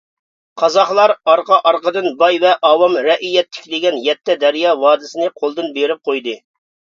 قازاقلار ئارقا-ئارقىدىن باي ۋە ئاۋام -رەئىيەت تىكلىگەن يەتتە دەريا ۋادىسىنى قولدىن بېرىپ قويدى.